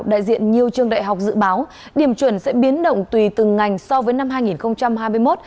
đại diện nhiều trường đại học dự báo điểm chuẩn sẽ biến động tùy từng ngành so với năm hai nghìn hai mươi một